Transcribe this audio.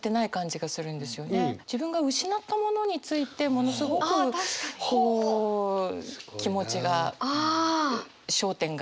自分が失ったものについてものすごくこう気持ちが焦点があって。